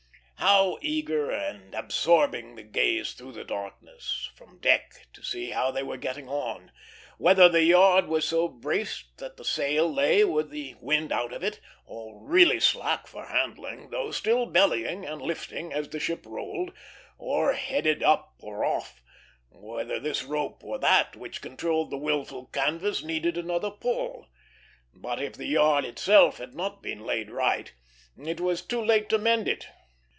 How eager and absorbing the gaze through the darkness, from deck, to see how they were getting on; whether the yard was so braced that the sail lay with the wind out of it, really slack for handling, though still bellying and lifting as the ship rolled, or headed up or off; whether this rope or that which controlled the wilful canvas needed another pull. But if the yard itself had not been laid right, it was too late to mend it.